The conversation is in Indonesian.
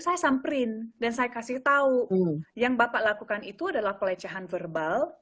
saya samperin dan saya kasih tahu yang bapak lakukan itu adalah pelecehan verbal